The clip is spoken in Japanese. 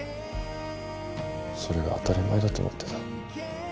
それが当たり前だと思ってた。